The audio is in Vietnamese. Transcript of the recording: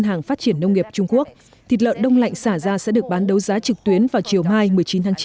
hàng phát triển nông nghiệp trung quốc thịt lợn đông lạnh xả ra sẽ được bán đấu giá trực tuyến vào chiều mai một mươi chín tháng chín